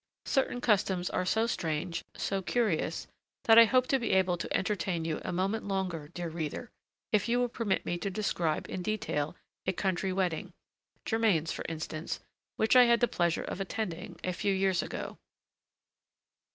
Certain customs are so strange, so curious, that I hope to be able to entertain you a moment longer, dear reader, if you will permit me to describe in detail a country wedding, Germain's for instance, which I had the pleasure of attending a few years ago.